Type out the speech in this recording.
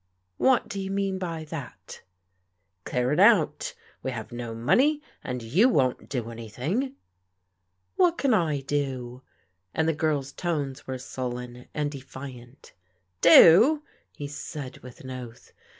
" What do you mean by that ?"" Qearing out. We have no money, and you won't do anything." "What can I do?" and the girl's tones were sullen and defiant. " Do !" he said with an oath.